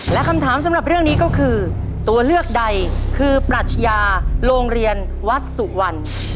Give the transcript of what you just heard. และคำถามสำหรับเรื่องนี้ก็คือตัวเลือกใดคือปรัชญาโรงเรียนวัดสุวรรณ